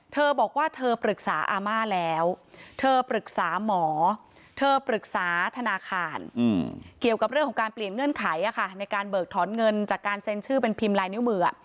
เธอบอกว่าเธอปรึกษาอาม่าแล้วเธอปรึกษาหมอเธอปรึกษาธนาคารเกี่ยวกับเรื่องของการเปลี่ยนเงื่อนไขในการเบิกถอนเงินจากการเซ็นชื่อเป็นพิมพ์ลายนิ้วมือ